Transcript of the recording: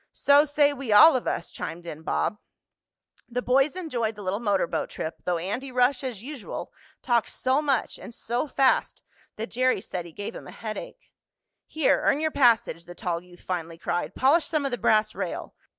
"So say we all of us!" chimed in Bob. The boys enjoyed the little motor boat trip, though Andy Rush, as usual, talked so much and so fast that Jerry said he gave him a headache. "Here, earn your passage," the tall youth finally cried. "Polish some of the brass rail.